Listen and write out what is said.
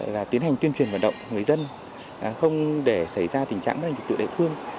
là tiến hành tuyên truyền vận động người dân không để xảy ra tình trạng bất hành thực tự đại phương